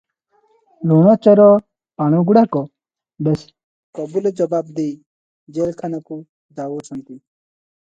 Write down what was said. ଲୁଣ ଚୋର ପାଣଗୁଡାକ ବେଶ କବୁଲ ଜବାବ ଦେଇ ଜେଲଖାନାକୁ ଯାଉଅଛନ୍ତି ।